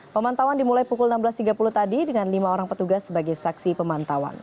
pemantauan dimulai pukul enam belas tiga puluh tadi dengan lima orang petugas sebagai saksi pemantauan